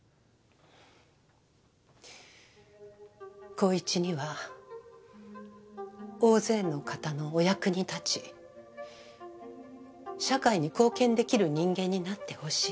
紘一には大勢の方のお役に立ち社会に貢献できる人間になってほしい。